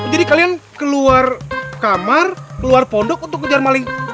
jadi kalian keluar kamar keluar pondok untuk kejar maling